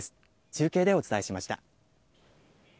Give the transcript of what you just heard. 中継でお伝えしました。